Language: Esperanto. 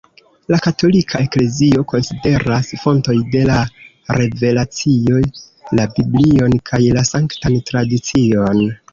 La katolika Eklezio konsideras fontoj de la revelacio la Biblion kaj la Sanktan Tradicion.